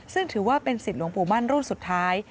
ซึ่งถือว่าเป็นสิทธิ์หลวงปู่มั่นรุ่นสุดท้าย